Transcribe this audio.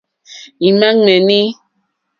Ímá ŋmɛ̀ní.